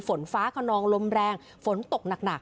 ฝนฟ้าขนองลมแรงฝนตกหนัก